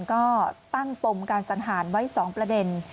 ก็ตั้งปมการสังหารไว้๒ประเด็น